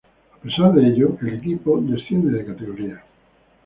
A pesar de ello, el equipo desciende de categoría.